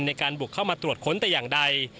ในการบุกเข้ามาตรวจค้นแต่อย่างใด